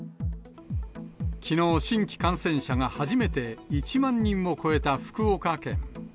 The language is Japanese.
きのう、新規感染者が初めて１万人を超えた福岡県。